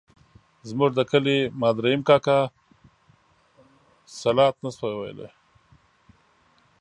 زموږ د کلي ماد رحیم کاکا الصلواة نه شوای ویلای.